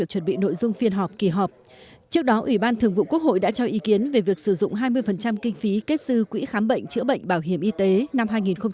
trước đó ủy ban thường vụ quốc hội đã cho ý kiến về việc sử dụng hai mươi kinh phí kết dư quỹ khám bệnh chữa bệnh bảo hiểm y tế năm hai nghìn một mươi năm